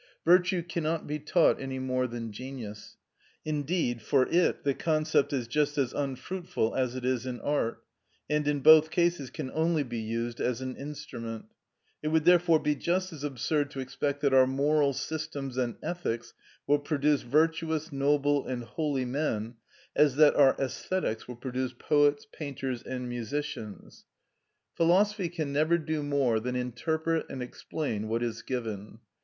Virtue cannot be taught any more than genius; indeed, for it the concept is just as unfruitful as it is in art, and in both cases can only be used as an instrument. It would, therefore, be just as absurd to expect that our moral systems and ethics will produce virtuous, noble, and holy men, as that our æsthetics will produce poets, painters, and musicians. Philosophy can never do more than interpret and explain what is given.